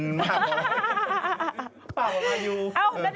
ปากออกมาอยู่